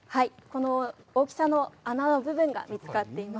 この大きさの穴の部分が見つかっています。